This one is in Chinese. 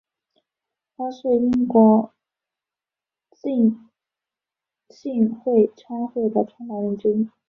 他是英国浸信会差会的创办人之一。